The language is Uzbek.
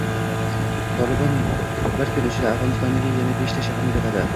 “Tolibon” bir kun ichida Afg‘onistondagi yana beshta shaharni egalladi